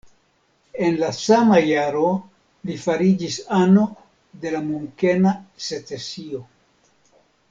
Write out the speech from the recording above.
En la sama jaro li fariĝis ano de la Munkena Secesio.